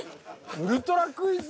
「ウルトラクイズ」？